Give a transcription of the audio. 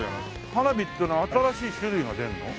花火っていうのは新しい種類が出るの？